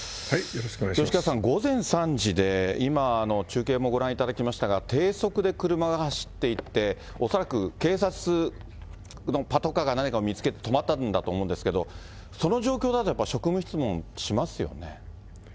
吉川さん、午前３時で今中継もご覧いただきましたが、低速で車が走っていて、恐らく警察のパトカーが何かを見つけて止まったと思うんですけれども、その状況だとやっぱり、職務質問しますよね。